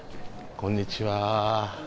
こんにちは。